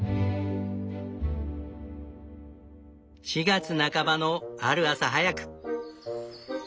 ４月半ばのある朝早く。